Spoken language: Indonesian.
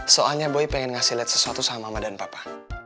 soalnya boy pengen ngasih lihat sesuatu sama sama dan papa